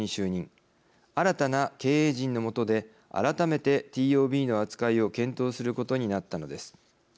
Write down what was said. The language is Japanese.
新たな経営陣のもとで改めてＴＯＢの扱いを検討することになったのです。